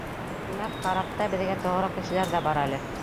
Тимәк, карапта беҙгә тоғро кешеләр ҙә бар әле!